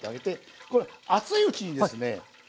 これ熱いうちにですね